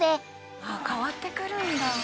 「変わってくるんだ」